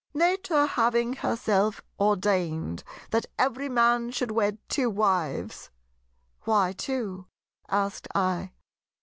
"Nature having herself ordained that every Man should wed two wives—" "Why two?" asked I.